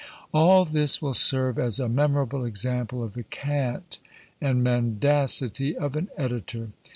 All this will serve as a memorable example of the cant and mendacity of an editor!